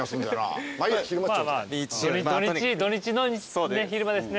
土日土日の昼間ですね。